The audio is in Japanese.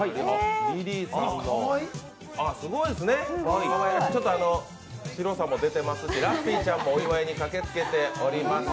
すごいですね、ちょっと白さも出てますしラッピーちゃんもお祝いに駆けつけております。